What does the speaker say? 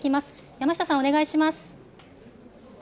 山下さん、お願いします。